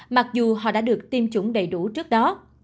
mặc dù họ đã được tiêm chủng đầy đủ trước đó